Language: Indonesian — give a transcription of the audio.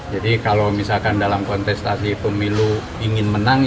jadi kalau misalkan dalam kontestasi pemilu ingin menang